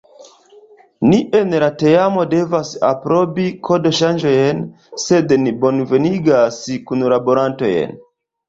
Ni en la teamo devas aprobi kodoŝanĝojn, sed ni bonvenigas kunlaborantojn!